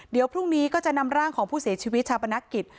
เดี๋ยวพรุ่งนี้ก็จะนำร่างของผู้เสียชีวิตชาปนักกิจ